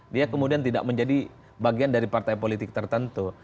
dia kemudian tidak menjadi bagian dari partai politik tertentu